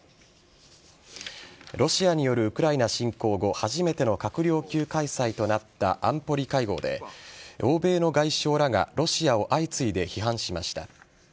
ロシアによるウクライナ侵攻後初めての閣僚級開催となった安保理会合で欧米の外相らがロシアを相次いで批判しました。